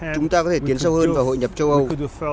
chúng ta có thể tiến sâu hơn vào hội nhập châu âu